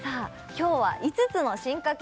今日は５つの進化系